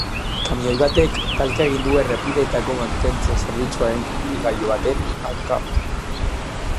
Kamioi batek talka egin du errepideetako mantentze zerbitzuaren ibilgailu baten aurka.